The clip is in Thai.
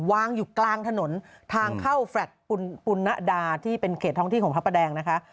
วางอยู่กลางถนนทางเข้าแฟลต์ปุณดาที่เป็นเขตท้องที่ของพระประแดงนะคะ